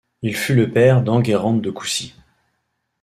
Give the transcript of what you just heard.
Il fut le père d'Enguerrand de Coucy.